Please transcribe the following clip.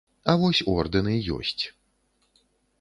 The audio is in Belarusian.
А вось ордэны ёсць.